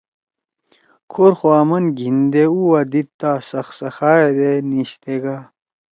کھور خو آمن گھیِندے اُو وا دیِدتا سخسخا ہیدے نیِشتے گا۔